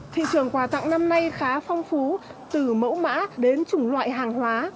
thị trường quà tặng năm nay khá phong phú từ mẫu mã đến chủng loại hàng hóa